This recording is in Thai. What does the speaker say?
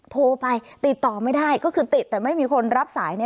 โทรไปติดต่อไม่ได้ก็คือติดแต่ไม่มีคนรับสาย